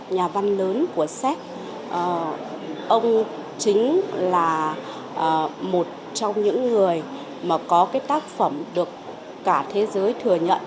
nhà văn lớn của séc ông chính là một trong những người mà có cái tác phẩm được cả thế giới thừa nhận